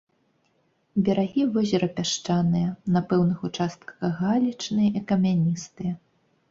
Берагі возера пясчаныя, на пэўных участках галечныя і камяністыя.